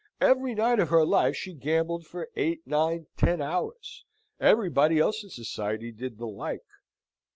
Every night of her life she gambled for eight, nine, ten hours. Everybody else in society did the like.